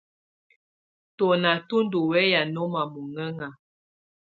Tɔ̀nà tù ndù wɛya nɔma muhɛna.